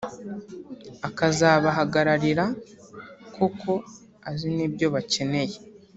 akazabahagararira koko azi n’ibyo bakeneye